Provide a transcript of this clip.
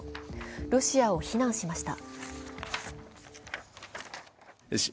ロシアを非難しました。